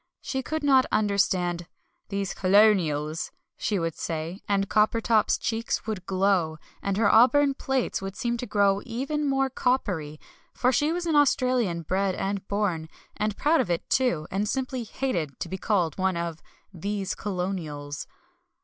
She could not understand "these colonials," she would say, and Coppertop's cheeks would glow and her auburn plaits would seem to grow even more coppery, for she was an Australian bred and born, and proud of it, too, and simply hated to be called one of "these colonials."